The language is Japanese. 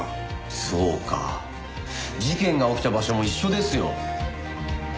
そうか事件が起きた場所も一緒ですよ。